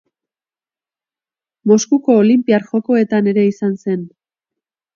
Moskuko Olinpiar Jokoetan ere izan zen.